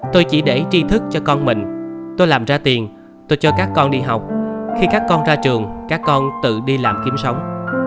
tôi chỉ để tri thức cho con mình tôi làm ra tiền tôi cho các con đi học khi các con ra trường các con tự đi làm kiếm sống